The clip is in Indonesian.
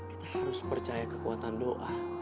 kita harus percaya kekuatan doa